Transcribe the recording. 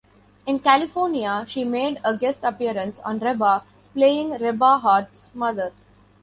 In California, she made a guest appearance on "Reba", playing Reba Hart's mother.